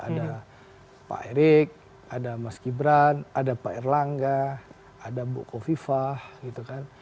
ada pak erik ada mas gibran ada pak erlangga ada buko viva gitu kan